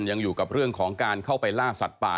ยังอยู่กับเรื่องของการเข้าไปล่าสัตว์ป่า